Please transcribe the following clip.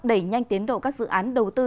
đẩy nhanh tiến độ các dự án đầu tư